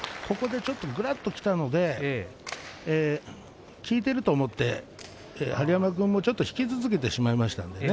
ちょっとぐらっときたので効いていると思って春山君も引き続きてしまいましたね。